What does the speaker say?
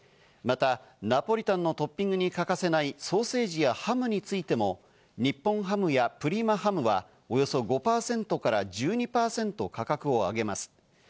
またナポリタンのトッピングに欠かせないソーセージやハムについても、日本ハムやプリマハムはおよそ５％から１２％価格を上げます。